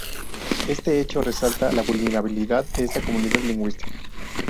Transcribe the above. Este hecho resalta la vulnerabilidad de esta comunidad lingüística.